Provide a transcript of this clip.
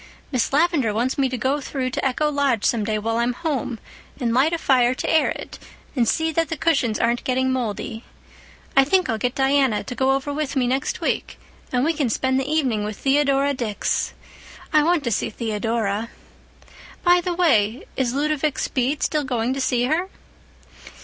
Miss Lavendar wants me to go through to Echo Lodge some day while I'm home and light a fire to air it, and see that the cushions aren't getting moldy. I think I'll get Diana to go over with me next week, and we can spend the evening with Theodora Dix. I want to see Theodora. By the way, is Ludovic Speed still going to see her?"